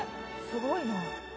すごいな。